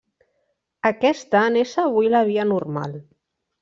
Aquesta n'és avui la via normal.